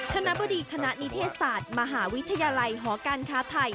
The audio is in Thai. คณะบดีคณะนิเทศศาสตร์มหาวิทยาลัยหอการค้าไทย